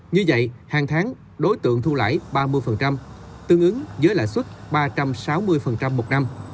như vậy hàng tháng đối tượng thu lãi ba mươi tương ứng với lãi suất ba trăm sáu mươi một năm